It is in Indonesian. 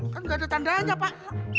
kan nggak ada tandanya pak